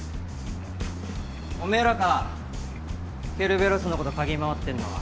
おめえらかケルベロスのこと嗅ぎ回ってんのは。